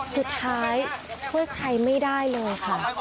สุดท้ายช่วยใครไม่ได้เลยค่ะ